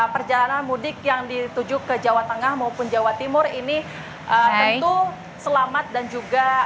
perjalanan mudik yang dituju ke jawa tengah maupun jawa timur ini tentu selamat dan juga